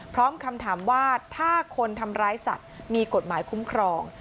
พร้อมคำถามว่าถ้าคนทำร้ายสัตว์มีกฎหมายคุ้มครอง